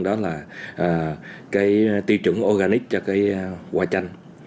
đó là cái tiêu chuẩn organic cho cái quả chanh